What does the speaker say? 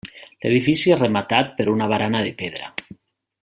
L'edifici és rematat per una barana de pedra.